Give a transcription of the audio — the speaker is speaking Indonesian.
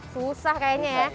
susah kayaknya ya